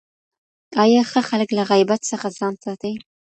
آیا ښه خلک له غیبت څخه ځان ساتي؟